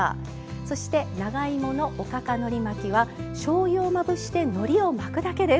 そして長芋のおかかのり巻きはしょうゆをまぶしてのりを巻くだけです。